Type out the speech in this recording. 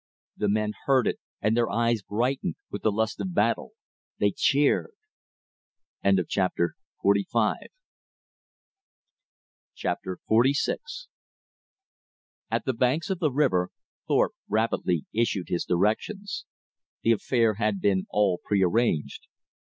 The men heard it and their eyes brightened with the lust of battle. They cheered. Chapter XLVI At the banks of the river, Thorpe rapidly issued his directions. The affair had been all prearranged.